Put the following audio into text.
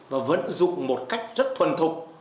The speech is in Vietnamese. và vẫn dùng một cách rất thuần thục